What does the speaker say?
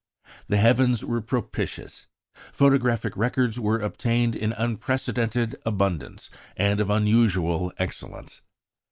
The heavens were propitious. Photographic records were obtained in unprecedented abundance, and of unusual excellence.